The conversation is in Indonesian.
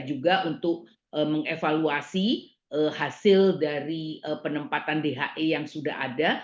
juga untuk mengevaluasi hasil dari penempatan dhe yang sudah ada